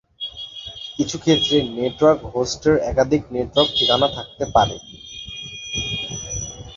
কিছু ক্ষেত্রে, নেটওয়ার্ক হোস্টের একাধিক নেটওয়ার্ক ঠিকানা থাকতে পারে।